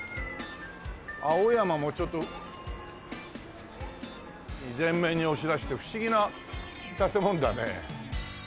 青山もちょっと全面に押し出して不思議な建物だね。